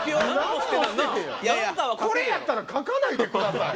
これやったら書かないでください。